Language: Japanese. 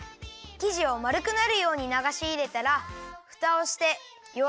きじをまるくなるようにながしいれたらふたをしてよ